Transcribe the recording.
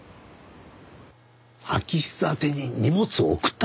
空き室宛てに荷物を送った？